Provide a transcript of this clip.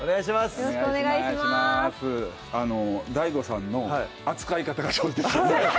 ＤＡＩＧＯさんの扱い方が上手ですね